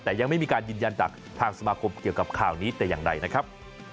แต่ยังไม่มีการยืนยันจากทางสมาคมเกี่ยวกับข่าวนี้แต่อย่างใดนะครับ